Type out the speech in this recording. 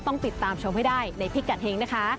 ต้องติดตามชมให้ได้ในพิกัดเฮงนะคะ